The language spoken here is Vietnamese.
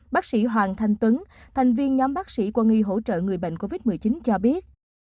bác sĩ hoàng thanh tuấn thành viên nhóm bác sĩ quân y hỗ trợ người bệnh covid một mươi chín cho biết